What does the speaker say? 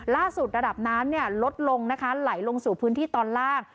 ล่าสุดระดับน้ำลดลงไหลลงสู่พื้นที่ตอนล่าง